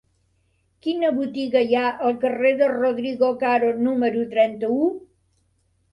Quina botiga hi ha al carrer de Rodrigo Caro número trenta-u?